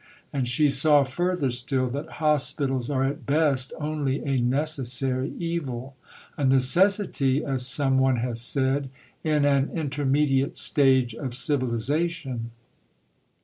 And she saw further still that hospitals are at best only a necessary evil; a necessity, as some one has said, in an intermediate stage of civilization.